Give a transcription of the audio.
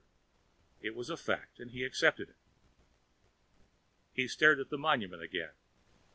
It was a fact and he accepted it. He stared at the monument again.